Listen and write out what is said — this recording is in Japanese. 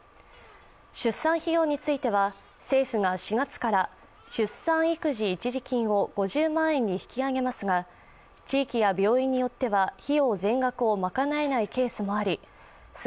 出産費用については政府が４月から出産育児一時金を５０万円に引き上げますが地域や病院によっては費用全額を賄えないケースもあり菅